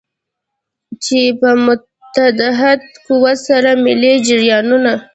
چې په متحد قوت سره ملي جریانونه.